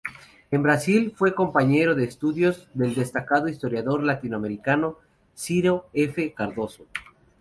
En Brasil fue compañero de estudios del destacado historiador latinoamericano Ciro F. Cardoso.